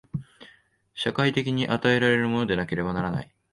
社会的に与えられるものでなければならない。